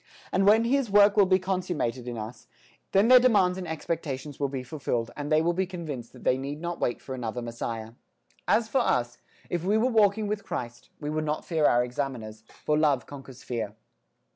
And when His work will be consummated in us, then their demands and expectations will be fulfilled and they will be convinced that they need not wait for another Messiah. As for us, if we were walking with Christ, we would not fear our examiners: for love conquers fear.